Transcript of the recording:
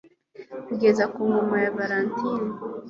Kugeza ku ngoma ya Valentine